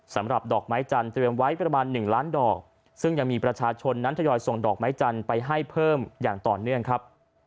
ดอกไม้จันทร์เตรียมไว้ประมาณ๑ล้านดอกซึ่งยังมีประชาชนนั้นทยอยส่งดอกไม้จันทร์ไปให้เพิ่มอย่างต่อเนื่องครับ